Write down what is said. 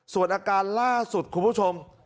ส่วนอาการล่าสุดคุณผู้ชม